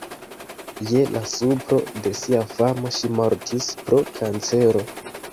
Je la supro de sia famo ŝi mortis pro kancero.